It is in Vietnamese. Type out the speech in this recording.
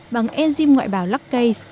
bằng enzim ngoại bào lac case